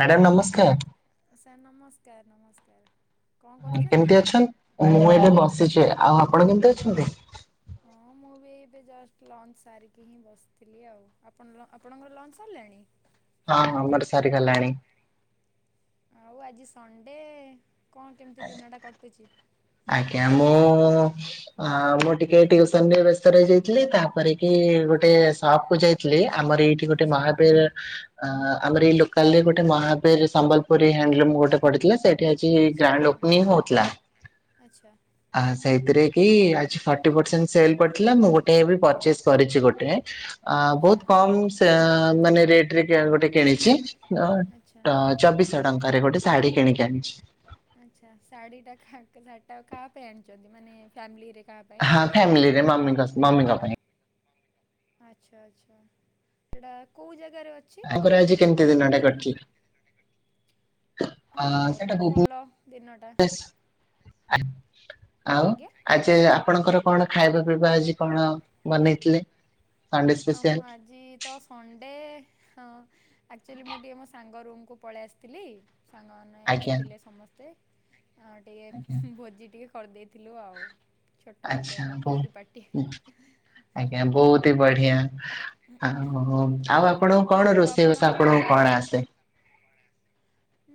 Madam ନମସ୍କାର। Sir ନମସ୍କାର ନମସ୍କାର। କଣ କରୁଛନ୍ତି? କେମତି ଅଛନ୍? ହଁ ମୁଁ ବି ଏଇ ଏବେ ଜଷ୍ଟ ଲଞ୍ଚ ସାରିକି ହିଁ ବସିଥିଲି ଆଉ ଆପଣଲ ଆପଣଙ୍କର ଲଞ୍ଚ ସାରିଲାଣି। ହଁ ହଁ ଆମର ସରିଗଲାଣି। ଆଉ ଆଜି ସଣ୍ଡେ କଣ କେମିତି ଦିନଟା କଟୁଚି? ଆଜ୍ଞା ମୁଁ ମୁଁ ଟିକେ ଟିଉସନ ରେ ବ୍ୟସ୍ତ ରହିଯାଇଥିଲି ତାପରେ କି ଗୋଟେ ଆଚ୍ଛା। ସପ କୁ ଯାଇଥିଲି ଆମର ଏଇଠି ଗୋଟେ ଆଚ୍ଛା। ମହାବୀର ଆମର ଏଇ ଲୋକାଲ ରେ ଗୋଟେ ମହାବୀର ସମ୍ବଲପୁରୀ ହ୍ୟାଣ୍ଡଲୁମ୍ ଗୋଟେ ପଡିଥିଲା ସେଇ ଟେ ଆଜି ଆଚ୍ଛା ଗ୍ରାଣ୍ଡେ ଓପନିଙ୍ଗ ହୋଉଥିଲା। ଆଚ୍ଛା। ଆ ସେଇଥିରେ କି ଆଜି ଫଟି ପରସେଣ୍ଟ ସେଲ ପଡିଥିଲା ମୁଁ ଗୋଟେ ଏବେ ପରଚିସ୍‌ କରିଚି ଗୋଟେ। ଆ ଆଚ୍ଛା ଆଚ୍ଛା। ବହୁତ୍ କମ ସେ ମାନେ ରେଟ ରେ କେୟାର ଗୋଟେ କିଣିଚିତ ଆଚ୍ଛା। ଟ ଚବିଶହ ଟଙ୍କାରେ ଗୋଟେ ଶାଢୀ କିଣିକି ଆଣିଚି। ଆଚ୍ଛା ଶାଢୀ ଟା ଖା ଶାଢ଼ୀ ଟା କାହା ପାଇଁ ଆଣିଚନ୍ତି ମାନେ ଫ୍ୟାମିଲିରେ କାହା ପାଇଁ ହଁ ନା ଏମିତି ଫ୍ୟାମିଲିରେ ମମି ଙ୍କ ମମି ଙ୍କ ପାଇଁ। ଆଚ୍ଛା ଆଚ୍ଛା ସେଇଟା କୋଉ ଜାଗାରେ ଅଛି ତାଙ୍କର ଆଜି ମାନେ କେମିତି ଦିନଟା ଲୋକେସନଟା? କଟିଲା ହଁ ଅ ମୋର ସେଇଟା ତ ଭଲ ଦିନ ଟା। ଆ ଆଉ ଆଜ୍ଞା। ଆଜି ଆପଣଙ୍କର କଣ ଖାଇବା ପିଇବା ଆଜି ଆ- କଣ? ବନେଇଥିଲେ। ସଣ୍ଡେ ଆଉ ମୁ ସ୍ପେସିଆଲ? ଆଜି ତ ସଣ୍ଡେ ହଁ। ଆକଚ ମୁଁ ଟିକେ ମୋ ସାଙ୍ଗ ରୁମ୍ କୁ ପଳେଇ ଆସିଥିଲି ସାଙ୍ଗମାନ ନାଇଁ ଆଜ୍ଞା ଆସିଥିଲେ ସମସ୍ତେ ଆଉ ଆଜ୍ଞା ଟିକେ ଭୋଜି ଟିକେ କରିଦେଇଥିଲୁ ଆଉ। ଛୋଟ ଗୋଟେ ଆଚ୍ଛା ଆଉ ବୋଉ କିଟି ପାଟିି। ଆଜ୍ଞା ବହୁତ ହି ବଢ଼ିଆ ଆଉ ଆଉ ଆପଣଙ୍କୁ କଣ ଆଉ ରୋଷେଇବାଷ ଆପଣ ଆପଣଙ୍କୁ କଣ ଆସେ?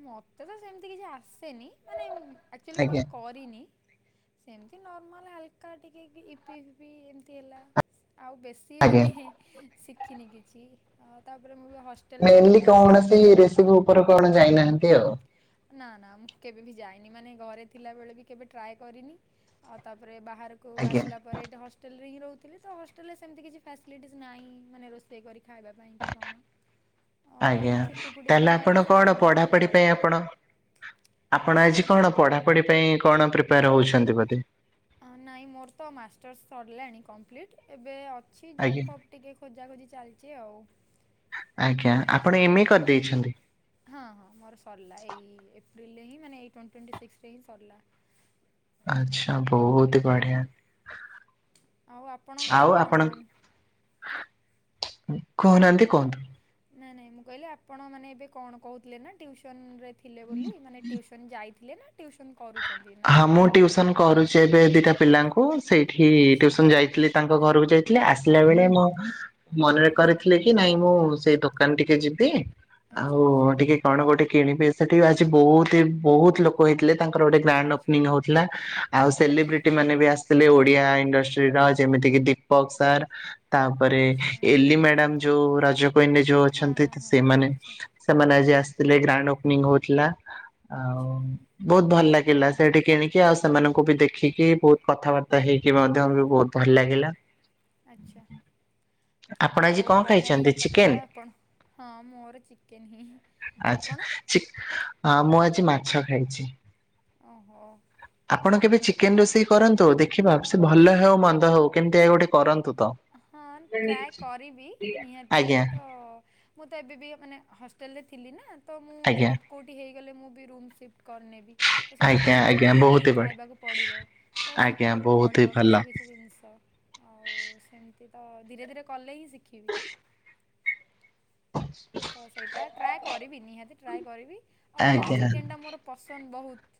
ମତେ ତ ସେମିତି କିଛି ଆସେନି ମାନେ ଆକ୍ଚୁଲି ମୁଁ ଆଜ୍ଞା କେବେ କରିନି। ସେମିତି ନର୍ମାଲ ହାଲକା ଟିକେ ଇପି ଫିପି ଏମିତି ହେଲା ଆଉ ବେଶ ସିଏ ଆଜ୍ଞା ମାନେ ଶିଖିନି କିଛି ତାପରେ ମୁଁ ବି ହଷ୍ଟ ମେନଲି କୌଣସି ରେସିପି ଉପରେ କଣ ଯାଇନାହାନ୍ତି ଆଉ। ନା ନା ମୁଁ କେବେ ବି ଯାଇନି ମାନେ ଘରେ ଥିଲାବେଳେ ବି କେବେ ଟ୍ରାଏ କରିନି ଆଉ ତାପରେ ବାହାର କଉଁ ଆଜ୍ଞା ଆସିଲା ପରେ ଏଠି ହଷ୍ଟେଲରେ ହିଁ ରହୁଥିଲେ ତ ହଷ୍ଟେଲ ରେ ସେମତି କିଛି ଫାସିଲିଟିସ୍ ନାହିଁ ମାନେ ରୋଷଇ କରିକି ଖାଇବା। ପାଇଁ କି କଣ ତ ଆଜ୍ଞା ଏମିତି ଛୁଟି ଫୁଟି ତାହେଲେ ଦିନ ଆପଣ ହେଲେ କଣ ସାଙ୍ଗ ମନଙ୍କ ପାଖକୁ ପଢାପଢି ପାଇଁ ପଳେଇଯାଏ ଆପଣ ଆପଣ ଆଜି କଣ ପଢ଼ାପଢ଼ି ପାଇଁ କଣ ପ୍ରିପେୟାର ହଉଛନ୍ତି ବୋଧେ? ନାଇଁ ମୋର ତ ମାଷ୍ଟର୍ସ ସରିଲାଣି କମ୍ପ୍ଲିଟ୍ ଏବେ ଅଛି ଜବ୍ ଆଜ୍ଞା ଫବ। ଟିକେ ଖୋଜା ଖୋଜି ଚାଲିଛି ଆଉ। ଆଜ୍ଞା ଆଚ୍ଛା, ଆପଣ ଏମେ ଆଜ୍ଞା। କରିଦେଇଛନ୍ତି। ହଁ ହଁ ମୋର ସରିଲା ଏଇ ଏପ୍ରିଲରେ ହିଁ ମାନେ ଏଇ ଟ ଟ୍ୱେଣ୍ଟି ସିକ୍ସରେ ହିଁ ସରିଲା। ଆଚଛା ବହୁତ ହଁ ବଢ଼ିଆ। ଆଉ ଆପଣଙ୍କର ଆଉ କଣ ଆପଣଙ୍କ କହୁନାହାନ୍ତି କୁହନ୍ତୁ। ନାଇଁ ନାଇଁ ମୁଁ କହିଲି ଆପଣ ମାନେ ଏବେ କଣ କହୁଥିଲେ ନା ଟିଉସନ ରେ? ଥିଲେ ବୋଲି ମାନେ ଟିଉସନ ଯାଇଥିଲେ ନା ଟିଉସନ୍ ହଁ ମୁଁ ଟ୍ୟଉସନ କରୁଛି ଏବେ ଦିଟା ପିଲାଙ୍କୁ ସେଇଠି ଆଚ୍ଛା ଟିଉସନ ଯାଇଥିଲି। ତାଙ୍କ ଘରକୁ ଯାଇଥିଲେ ଆସିଲା ବେଳେ ମୋ ମନରେ ଆଚ୍ଛା କରିଥିଲେ କି ନାଇଁ ମୁଁ ସେଇ ଦୋକାନ କାନ୍ ଟିକେ ଯିବି ଆଚ୍ଛା ଆଉ ଆଚ୍ଛା ଟିକେ କଣ ଗୋଟେ କିଣିବେ ସେଠି ଆଜି ବହୁତି ବହୁତ ଲୋକ ହେଇଥିଲେ। ଙ୍କର ଗୋଟେ ଆଚ୍ଛା ଓପନିଂ ହଉଥିଲା ଆଉ ଆଜ୍ଞା ଆଚ୍ଛା। ସେଲିବ୍ରିଟି ମାନେ ବି ଆସିଥିଲେ ଓଡିଆ ଇଣ୍ଡଷ୍ଟ୍ରୀ ର ଯେମିତିକି ଦୀପକ ସାର୍। ତାପରେ ଆଚ୍ଛା ଏଲି ମ୍ୟାଡାମ ଯୋଉ ରଜ କ୍ୱିଇନ୍ ରେ ଯୋଉ ହଁ ଅଛନ୍ତି ହଁ ସେଇମାନେ। ହଁ ଆଚ୍ଛା ସେମାନେ ଆଜି ଆସିଥିଲେ ଗ୍ରାଣ୍ଡ ଓପନିଂ ହଉଥିଲା ଆଉ। ଆଚ୍ଛା ବହୁତ ଭଲ ଲାଗିଲା ବ ସେଠି କିଣିକି। ଆଉ ସେମାନଙ୍କୁ ବି ଦେଖିକି ବହୁତ କଥାବାର୍ତ୍ତା ହେଇକି ମଧ୍ୟ ବି ବହୁତ ଭଲ ଲାଗେ ଆଚ୍ଛା। ଆପଣ ହଁ ଆଜି କଣ ବହୁତ ବଢ଼ିଆ ଖାଇଛନ୍ତି ହିଁ ଚିକେନ କଥା କଣ ହଁ ମୋର ଚିକେନ ହିଁ। ଆଛା ଆପଣ ଚି ମୁଁ ଆଜି ମାଛ ଖାଇଛି। ଓହୋ। ଆପଣ କେବେ ଚିକେନ୍ ରୋଷେଇ କରନ୍ତୁ ଦେଖିବା ସେ ଭଲ ହଉ ମନ୍ଦ ହଉ କେମିତି ଆ ଗୋଟେ କରନ୍ତୁ ତ। ହଁ ଟ୍ରାଏ କରିବି ନିହାତି ଆଜ୍ଞା ତ ମୁଁ ତ ଏବେ ବି ମାନେ ହଷ୍ଟେଲରେ ଥିଲି ନା ତ ମୁଁ ଆଜ୍ଞା ଜବ୍ କୋଉଠି ହେଇଗଲେ ମୁଁ ବି ରୁମ୍ ସିଫ୍ଟ କରିନେବି। ତ ସେଇଠି ଆଜ୍ଞା ତ ନିଜେ ଆଜ୍ଞା ବହୁତ ବନେଇକି ହିଁ ହି ବଢି ଖାଇବାକୁ ପଡ଼ିବ ତ ଆଜ୍ଞା ଶିଖିବାକୁ ବହୁତ ହି ପଡ଼ିବ ଭଲ। କିଛି କିଛି ଜିନିଷ। ଆଉ ସେମିତି ତ ଧୀରେ ଧୀରେ କଲେ ହିଁ ଶିଖିବି। [inaudible] ତ ସେଇଟା ଟ୍ରାଏ କରିବି ନିହାତି ଟ୍ରାଏ କରିବି ଆଉ ଯେହେତୁ ଆଜ୍ଞା ଚିକେନଟା ମୋର ପସନ୍ଦ ବହୁତ୍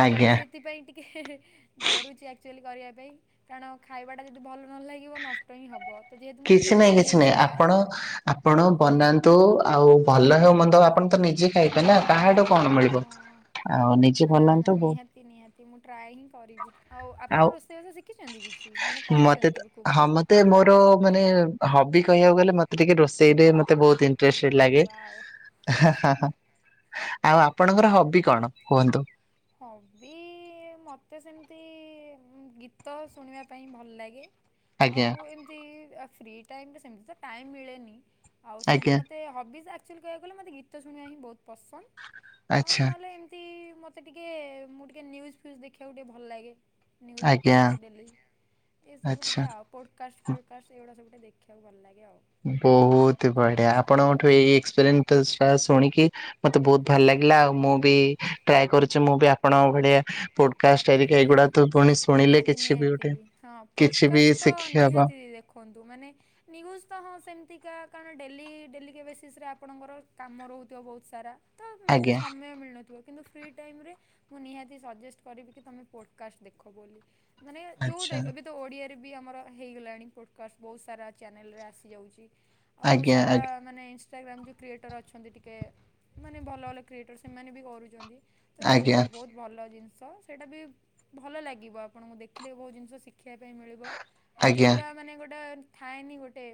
ହଁ ତ ମୁଁ ଆଜ୍ଞା ସେଇଥିପାଇଁ ଟିକେ ଡରୁଛି ଆକ୍ଚୁଆଲି କରିବା ପାଇଁ କାରଣ ଖାଇବାଟା ଯଦି ଭଲ ନ ଲାଗିବ ନଷ୍ଟ ହିଁ ହବ। କିଛି ନାଇଁ କିଛି ନାଇଁ ଆପଣ ଆପଣ ବନାନ୍ତୁ ଆଉ ଭଲ ହଉ ମନ୍ଦ ଆପଣ ତ ନିଜେ ଖାଇବେ ନା କହାଡୁ କଣ ମିଳିବ? ହଁ। ଆଉ ନିଜ ନା ନା ନିହାତି ନିହାତି ମୁଁ ଟ୍ରାଏ ହିଁ କରିବି ଆଉ ଆପଣ ରୋଷେଇ ବାସ ସି ଖୀ ଛନ୍ତି କିଛି ମାନେ କରିଛନ୍ତି କେବେ ଖୁବ ତେ ମୋର ମାନେ ହବି କହିବାକୁ ଗଲେ ମତେ ଟିକେ ରୋଷେଇରେ ମତେ ବହୁତ ଇ ଓ ଇଟ୍ରେଷ୍ଟେ୍ଡ ୱାଓ ହା ଆଚ୍ଛା ହା ହା ଆଉ ଆପଣଙ୍କର ହବି କଣ କୁହନ୍ତୁ? ହବି ମୋତେ ସେମିତି ଗୀତ ଶୁଣିବା ପାଇଁ ଭଲ ଲାଗେ। ଆଜ୍ଞା ଆଉ ଏମିତି ଫ୍ରି ଟାଇମରେ ସେମିତି ତ ଟାଇମ ମିଳେନି। ଆଉ ସେମିତି ଆଜ୍ଞା ମୋତେ ହବିଜ୍ ଆକ୍ଚୁଆଲି କହିବାକୁ ଗଲେ ମୋତେ ଗୀତ ଶୁଣିବା ହିଁ ବହୁତ ପସନ୍ଦ ଆଉ ଆଚ୍ଛା ନହେଲେ ଏମି ତି ମତେ ଟିକେ ମୁଁ ଟିକେ ନିୁଜ୍ ଫ୍ୟଜ୍ ଦେଖିବାକୁ ଟିକେ ଭଲ ଲାଗେ। ନ୍ୟୁଜ୍ ଉପରେ ଆଜ୍ଞା। ଟିକେ ଡେଲି ଏସବୁ ଆଚ୍ଛା ଟିକେ ଆଉ। ପୋଡ଼କାଷ୍ଟ ଫୋଡ଼କାଷ୍ଟ ଏଗୁଡ଼ା ସବୁଟେ ଦେଖିବାକୁ ଭଲ ଲାଗେ ଆଉ। ବହୁତ ବଢିଆ ଆପଣଙ୍କଠୁ ଏଇ ଏକ୍ସେପେରେ ଟା ଶୁଣିକି ମତେ ବହୁତ ଭଲ ଲାଗିଲା ଆଉ ମୁଁ ବି ଟ୍ରାଏ କରୁଛି ମୁଁ ବି ଆପଣଙ୍କ ଭଳିଆ ପୋଡକାଷ୍ଟ୍ ହେରିକା ଏଇଗୁଡା ତ ପୁଣି ଶୁଣିଲେ ନିହାତି କିଛି ବି ନିହାତି ଗୋଟେ କିଛି ବି ଶିଖିହବ। ଖନ୍ତୁ ମାନେ ନ୍ୟୁଜ୍ ତ ହଁ ସେମିତିକା କାରଣ ଡେଲି ଡେଲିକା ବେସିସ୍ ରେ ଆପଣଙ୍କର କାମ ରହୁଥିବ ବହୁତ ସାରା। ତ ମେ ବି ଆଜ୍ଞା ସମୟ ମିଳୁନଥିବ କିନ୍ତୁ ଫ୍ରି ଟାଇମ ରେ ମୁଁ ନିହାତି ସଜେଷ୍ଟ କରିବି କି ତମେ ପୋଡକାଷ୍ଟ ଦେଖ ବୋଲି ମାନେ ଯୋଉଟା ଆଚ୍ଛା ଏବେ ତ ଓଡ଼ିଆରେ ବି ଆମର ହେଇଗଲାଣି ପୋଡ଼କାଷ୍ଟ ବହୁତ ସାରା ଚ୍ୟାନେଲରେ ଆସିଯାଉଛି। ଅ ଆଜ୍ଞା ବହୁଶାରା ଆଜ୍ଞା ମାନେ ଇନଷ୍ଟାଗ୍ରାମ୍ ଯେଉଁ କ୍ରିଏଟର୍ ଅଛନ୍ତି ଟିକେ ମାନେ ଭଲ ଭଲ କ୍ରିଏଟର୍ ସେମାନେ ବି କରୁଛନ୍ତି। ତ ଆଜ୍ଞା ଦେଖନ୍ତୁ ବହୁତ ଭଲ ଜିନିଷ ସେଇଟା ବି ଭଲ ଲାଗିବ ଆପଣଙ୍କୁ ଦେଖିଲେ ବହୁତ ଜିନିଷ ଶିଖ ଶିଖିବା ପାଇଁ ମିଳିବ ଆଉ ଆଜ୍ଞା ଯେଉଁଟା ମାନେ ଗୋଟେ ଥାଏନି ଗୋଟେ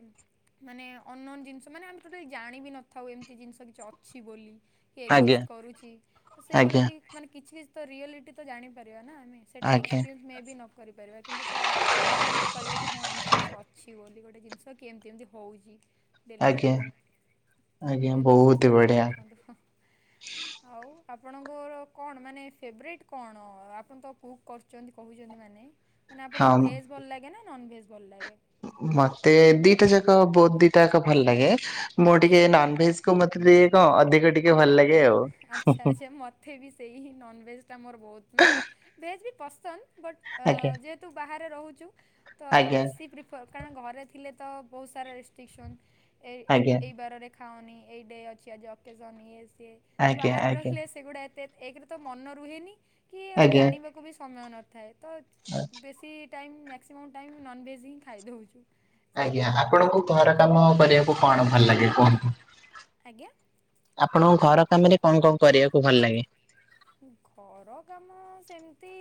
ମାନେ ଅନନୋନ ଜିନିଷ ମାନେ ଆମେ ତେ ଟୋଟାଲି ଜାଣିବି ନଥାଉ ଏମିତି ଜିନିଷ କିଛି ଅଛି ବୋଲି। କି ଆଜ୍ଞା ଏକ୍ଜିଷ୍ଟ କରୁଛି ତ ସେଇଗୁଡ଼ା ଆଜ୍ଞା ବି ମାନେ କିଛି କିଛି ତ ରିଆଲିଟି ତ ଜାଣିପାରିବା ନା ଆମେ। ସେଟା ଆଜ୍ଞା ଏକ୍ସପିରିଏନ୍ସ ମେ ବି ନ କରିପାରିବା କିନ୍ତୁ ତ ଜାଣି ତ ପାରିବାେ କି ହଁ ଏମିତି କିଛି ଅଛି ବୋଲି ଗୋଟେ ଜିନିଷ କି ଏମତି ଏମିତି ହଉଛି। ଡେଲି ଆଜ୍ଞା ଡେଲିିକା ଆଜ୍ଞା ନିହାତି ବହୁତ ସେଟା ବଢିଆ ଦେଖନ୍ତୁ ହୁଁ। ଆଉ ଆପଣଙ୍କର କଣ ମାନେ ଫେବରେଟ୍ କଣ ଆପଣ ତ କୁକ୍ କରୁଛନ୍ତି କହୁଛନ୍ତି ମାନେ ମାନେ ଆପଣଙ୍କୁ ହଁ ଭେଜ୍ ଭଲ ଲାଗେ ନା ନନ ଭେଜ ଭଲ ଲାଗେ। ମତେ ଦିଟା ଯାକ ବହୁତ ଦିଟା ଯାକ ଭଲ ଲାଗେ ମୁଁ ଟିକେ ନନଭେଜ କୁ ମତେ ଟିକେ କଣ ଅଧି ଆଛା ଆଛା ମତେ ଥାେବି ସେଇ ହିଁ ନନ୍ଭେଜ୍ଟା ମୋର ବହୁତ ମାନେ ଭେଜ୍ ବି ପସନ୍ଦ ବଟ୍ ଆ ଆଜ୍ଞା ଯେ ତୁ ବାହାରେ ରହୁଛୁ ତ ଆଜ୍ଞା ବେଶି ପ୍ରିପ କାରଣ ଘରେ ଥିଲେ ତ ବହୁତ ସାରା ରେଷ୍ଟ୍ରିକସନ୍ ଏ ଏତ ଆଜ୍ଞା ଏଇ ବାରରେ ଖାଉନି ଏଇ ଡେ ଅଛି ଆଜି ଅକେଜନ ଇଏ ସିଏ ତ ଆଜ୍ଞା ବାହାରେ ଆଜ୍ଞା ରହିଲେ ସେଗୁଡ଼ା ଏତେ ଏକରେ ତ ମନ ରୁହେନି କି ଆଜ୍ଞା। ଜାଣିବାକୁ ବି ସମୟ ନଥାଏ ତ ବେଶୀ ଟାଇମ୍ ମ୍ୟାକ୍ସିମମ୍ ଟାଇମ୍ ନନ୍ଭେଜ୍ ହିଁ ଖାଇଦଉଛୁ। ଆଜ୍ଞା ଆପଣଙ୍କୁ ଘର କାମ କରିବାକୁ କଣ ଭଲ ଲାଗେ କୁହନ୍ତୁ? ଆଜ୍ଞା। ଆପଣଙ୍କ ଘର କାମରେ କଣ କଣ କରିବାକୁ ଭଲ ଲାଗେ? ଘର କାମ ସେମତି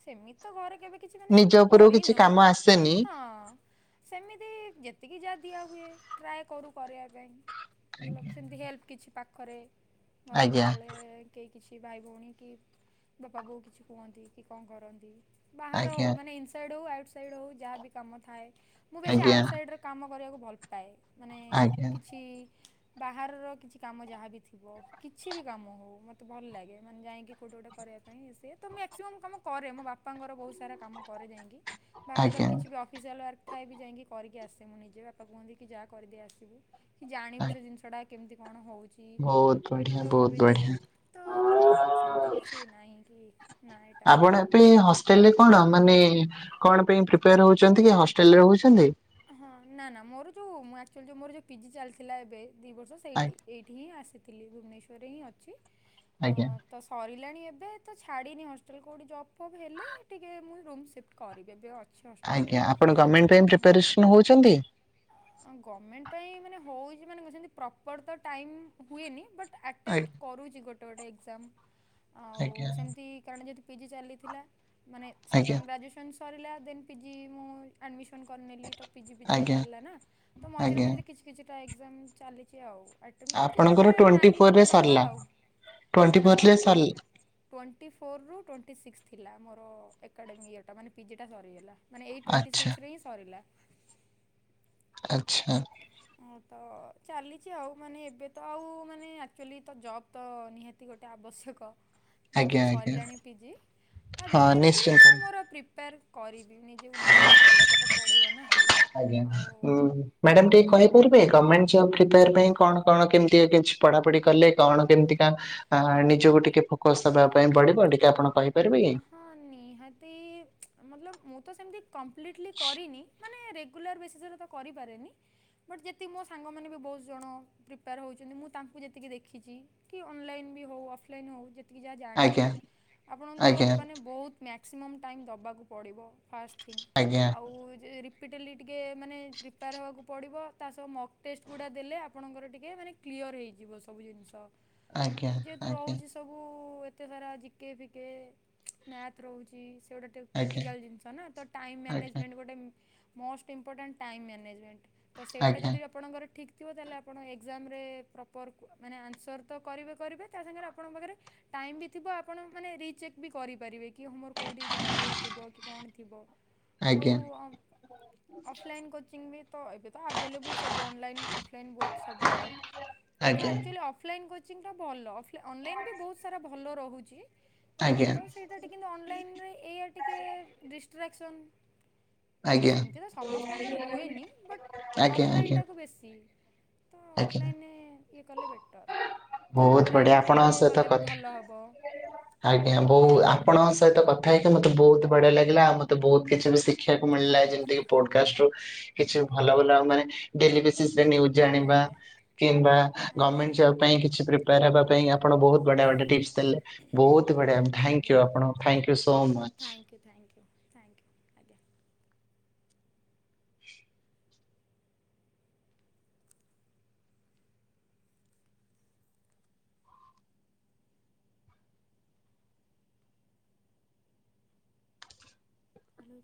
ସେମିତି ତ ଘରେ କେବେ କିଛି ମାନେ ନିଜ ସେମିତି ଉପରକୁ କିଛି କରିନୁ କାମ ଆସେନି ହଁ। ସେମିତି ଯେତିକି ଯା ଦିଆ ହୁଏ ଟ୍ରାଏ କରୁ କରିବା ପାଇଁ। ମତଲବ ଆଜ୍ଞା ସେମିତି ହେଲ୍ପ କିଛି ପାଖରେ ଘରେ ଆଜ୍ଞା ଯେତେବେଳେ କେହି କିଛି ଭାଇ ଭଉଣୀ କି ବାପା ବୋଉ କିଛି କୁହନ୍ତି କି କଣ କରନ୍ତି। ବାହାର ଆଜ୍ଞା ହଉ ମାନେ ଇନସାଇଡ୍ ହଉ ଆଉଟ୍ସାଇଡ୍ ହଉ ଯାହାବି କାମ ଥାଏ ମୁଁ ବେଶୀ ଆଜ୍ଞା ଆଉଟ୍ସାଇଡ୍ର ର କାମ କରିବାକୁ ଭଲ ପାଏ ମାନେ ଆଜ୍ଞା କିଛି ବାହାରର କିଛି କାମ ଯାହା ବି ଥିବ। କିଛି ବି କାମ ହଉ ମୋତେ ଭଲ ଲାଗେ ମାନେ ଯାଇକି କେଉଁଟ ଗୋଟେ କରିବା ପାଇଁ ସିଏ ତ ମ୍ୟାକ୍ସିମମ୍ କାମ କରେ ମୋ ବାପାଙ୍କର ବହୁତ ସାରା କାମ କରେ ଯାଇକି। କାହାର କାର କିଛି ବି ଅଫିସିଆଲ୍ ୱାର୍କ ଥାଏ ବି ଯାଇକି କରିକି ଆସେ ମୁଁ ନିଜେ ବାପା କୁହନ୍ତି କି ଯାହା କରିଦେ ଆସିବୁ। ତୁ ଆ ଜାଣିବୁ ସେ ଜିନିଷଟା କେମିତି କଣ ହେଉଛି। ବହୁତ ବଢି ଯେଉଟ ବି ଥିବ ତ କରିଦିଏ ସେମିତି କିଛି ନାହିଁ କି ନା ଏଟା ପାଇଁ ହଷ୍ଟେଲ ରେ କଣ ମାନେ କଣ ପାଇଁ ପ୍ରିପୋର ହଉଛନ୍ତି କି ହଷ୍ଟେଲରେ ହଉଛନ୍ତି ହଁ ନା ନା ମୋର ଯୋଉ ଆକ୍ଚୁଆଲୁ ମୋର ଯୋଉ ପିଜି ଚାଲିଥିଲା ଏବେ ଦିଇ ବର୍ଷ ସେଇଠି ଆଜ୍ଞା ଏଇଠି ହିଁ ଆସିଥିଲି ଭୁବନେଶ୍ୱରରେ ହିଁ ଅଛି ଆଜ୍ଞା ଅଁ ତ ସରିଲାଣି ଏବେ ତ ଛାଡ଼ିନି ହଷ୍ଟେଲ କେଉଠି ଜପ୍ ଫପ୍ ହେଲେ ଟିକେ ମୁଁ ରୁମ୍ ସିଫ୍ଟ କରିବି ଏବେ ଅ ଆଜ୍ଞା ଆପଣ ଗଭର୍ଣ୍ଣମେଣ୍ଟ ପାଇଁ ପ୍ରିପାରେସନ୍ ହଉଛନ୍ତି? ଗମେଣ୍ଟ ପାଇଁ ମାନେ ହଉଛି ମାନେ ମୁଁ ଯେମିତି ପ୍ରପର ତ ଟାଇମ୍ ହୁଏନି ବଟ ଆଟେମ୍ଟ ଆଜ୍ଞା କରୁଛି ଗୋଟେ ଗୋଟେ ଏକ୍ସାମ୍ ଆଉ ଆଜ୍ଞା ସେମତି କାରଣ ଯଦି ପିଜି ଚାଲିଥିଲା ମାନେ ସଡ଼ନ ଆଜ୍ଞା ଗ୍ରାଜୁଏସନ୍ ସରିଲା ଦେନ୍ ପିଜି ମୁଁ ଆଡମିସନ କରିନେଲି ତ ପିଜି ପିଜି ରେ ଆଜ୍ଞା ଚାଲିଲା ନା ତ ମଝିରେ ଆଜ୍ଞା ମଝିରେ କିଛି କିଛିଟା ଏକ୍ଜାମ ଚାଲିଛି ଆଉ। ଆଟେଣ୍ଡ କରୁଛି ଆପଣଙ୍କର ତାପରେ ଟ୍ୱେଣ୍ଟି ଟାଇମ୍ ଫୋରରେ ଟିକେ ଦେବା ସରିଲା। ଆଉ ନା ଟ୍ୱେଣ୍ଟି ନା ଫୋରରେ ମୋର ଟ୍ୱେ ସରିଲା ଟ୍ୱେଣ୍ଟି ଫୋର୍ରୁ ଟ୍ୱେଣ୍ଟି ସିକ୍ସ ଥିଲା ମୋର ଏକାଡେମିକ୍ ଇୟର୍ଟା ମାନେ ପିଜିଟା ସରିଗଲା। ମାନେ ଏଇ ଟ୍ୱେଣ୍ଟି ଆଚ୍ଛା ସିକ୍ସିରେ ହିଁ ସରିଲା। ଆଚ୍ଛା ହ ତ ଚାଲିଛି ଆଉ ମାନେ ଏବେ ତ ଆଉ ମାନେ ଆକ୍ଚୁଆଲି ତ ଜବ୍ ତ ନିହାତି ଗୋଟେ ଆବଶ୍ୟକ। ଯେହେତୁ ଆଜ୍ଞା ଆଜ୍ଞା ସରିଲାଣି ପିଜି ତା ହଁ ଭିତରେ ବି ନିଶ୍ଚିନ୍ତ ମୁଁ ମୋର ପ୍ରିପେୟାର୍ କରିବି ନିଜେ ନିଜେ କରିବାକୁ ତ ପଡିବ ନା। ଆଜ୍ଞା ଆଉ ମ୍ୟାଡାମ ଟିକେ କହିପାରିବେ ଗମେଣ୍ଟ ଜବ ପ୍ରିପେୟାର ପାଇଁ କଣ କଣ କେମିତି ଆ କିଛି ପଢାପଢି କଲେ କଣ କେମତିକା ଆ ନିଜକୁ ଟିକେ ଫୋକସ ଦବା ପାଇଁ ପଡିବ ଟିକେ ଆପଣ କହିପାରିବେ କି ହଁ ନିହାତି ମତଲବ ମୁଁ ତ ସେମିତି କମ୍ପ୍ଲିଟଲି କରିନି ମାନେ ରେଗୁଲାର ବେସିସ୍ରେ ତ କରିପାରେନି। ବଟ୍ ଯେତିକି ମୋ ସାଙ୍ଗମାନେ ବି ବହୁତ ଜଣ ପ୍ରିପେୟାର ହେଉଛନ୍ତି ମୁଁ ତାଙ୍କୁ ଯେତିକି ଦେଖିଛି କି ଅନଲାଇନ୍ ବି ହେଉ ଅଫଲାଇନ୍ ହେଉ ଯେତିକି ଯାହା ଜାଣିଚି ଆଜ୍ଞା ଆପଣ ତ ଆଜ୍ଞା ମାନେ ବହୁତ ମ୍ୟାକ୍ସିମମ୍ ଟାଇମ୍ ଦେବାକୁ ପଡ଼ିବ। ଫାଷ୍ଟ ଥିଙ୍ଗ ଆଜ୍ଞା ଆଉ ଯେ କ୍ୟାପିଟାଲିରେ ଟିକିେ ମାନେ ପ୍ରିପୋର ହେବାକୁ ପଡ଼ିବ ତାସହ ମକ୍ ଟେଷ୍ଟ ଗୁଡ଼ା ଦେଲେ ଆପଣଙ୍କର ଟିକେ ମାନେ କ୍ଲିଅର ହେଇଯିବ ସବୁ ଜିନିଷ ଆଜ୍ଞା ଆଉ ଯେହେତୁ ଆଜ୍ଞା ରହୁଛି ସବୁ ଏତେ ସାରା ଜିକେ ଫିକ କେ ମ୍ୟାଥ ରହୁଚି। ଜୋଉଟା ଆଜ୍ଞା କ୍ରିଟିକାଲ୍ ଜିନିଷ ନା ତ ଟାଇମ ଆଜ୍ଞା ମ୍ୟାନେଜମେଣ୍ଟ ଗୋଟେ ମୋଷ୍ଟ ଇମ୍ପୋର୍ଟାଣ୍ଟ ଟାଇମ୍ ମ୍ୟାନେଜମେଣ୍ଟ ତ ସେଇଟା ଆଜ୍ଞା ଯଦି ଆପଣଙ୍କର ଠିକ୍ ଥିବ ତାହେଲେ ଆପଣ ଏକ୍ଜାମରେ ପ୍ରପର୍ ମାନେ ଆନ୍ସର ତ କରିବେ କରିବେ ତା ସାଙ୍ଗରେ ଆପଣଙ୍କ ପାଖରେ ଟାଇମ୍ ବି ଥିବ ଆପଣାନେ ରଚେକ୍ ବି କରିପାରିବେ କି ମୋର କୋଉଠି ଯଦି ଭୁଲ ଥିବ କି କଣ ଥିବ ଆଜ୍ଞା। ଆଉ ଅଫଲାଇନ୍ କୋଚିଂ ବି ତ ଏବେ ତ ଆଭେଲେବୁଲ ସବୁ ଅନଲାଇନ୍ ଅଫଲାଇନ୍ ବହୁତ ସବୁଆଡ଼େ ତ ଆଜ୍ଞା actually offline coaching ଟା ଭଲ ଅଫ ଅନଲାଇନ୍ ବି ବୋହୁତ ସାରା ଭଲ ରହୁଚି ଅ ଆଜ୍ଞା ତ ସେଇ କିନ୍ତୁ ଅନଲାଇନ ରେ ଏଇଆ ଟିକେ ଡିଷ୍ଟ୍ରାକ୍ସନ୍ କାହିଁନା ଆଜ୍ଞା ସେମିତି ତ ସମସ୍ତଙ୍କର ହୁଏନି ବଟ୍ ଆଜ୍ଞା ଅଫଲାଇନ ଆଜ୍ଞା ଟାକୁ ବେଶୀ ତ ଆଜ୍ଞା। ଆଫ୍ଲାଇନ ରେ ଇଏ କଲେ ବେଟର। ବହୁତ ଆଉ ବଢିଆ ଲାଇବ୍ରେରୀ ଆପଣଙ୍କ ଟିକେ ସହିତ ଗଲେ ବି କଥା ଭଲ ହେବ। ଆଜ୍ଞା ବହୁତ ଆଜ୍ଞା ଆପଣଙ୍କ ସହିତ କଥା ହେଇକି ମୋତେ ବହୁତ ବଢିଆ ଲାଗିଲା ଆଉ ମତେ ବହୁତ କିଛି ବି ଶିଖ ଖିବାକୁ ମିଳିଲା ଯେମତି କି ପୋଡକଷ୍ଟ ରୁ କିଛି ଭଲ ଭଲ ଆଉ ମାନେ ଡେଲି ଡେଲି ନିଉଜ ଆଜ୍ଞା ଜାଣିବା ଆଜ୍ଞା। କିମ୍ବା ଆଜ୍ଞା ଗମେଣ୍ଟ ଜବ ପାଇଁ କିଛି ପ୍ରି ପାର ହେବା ପାଇଁ ଆପଣ ବହୁତ ବଢ଼ିଆ [unintelligible] ଟିପ୍ସ ଦେଲେ ବହୁତ୍ ବଢିଆ ଥାଙ୍କ୍ ୟୁ ଆପଣ thank you so much thank you thank you. Hello